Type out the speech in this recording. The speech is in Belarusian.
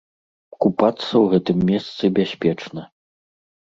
Купацца ў гэтым месцы бяспечна.